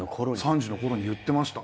３０の頃に言ってました。